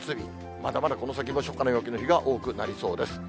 まだまだこの先も初夏の陽気の日が多くなりそうです。